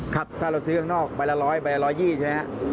ครับถ้าเราซื้อข้างนอกใบละ๑๐๐ใบละ๑๒๐ใช่ไหมครับ